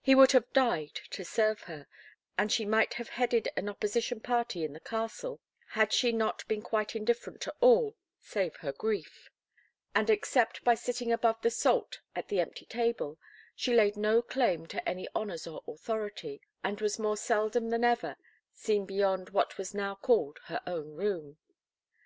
He would have died to serve her, and she might have headed an opposition party in the castle, had she not been quite indifferent to all save her grief; and, except by sitting above the salt at the empty table, she laid no claim to any honours or authority, and was more seldom than ever seen beyond what was now called her own room.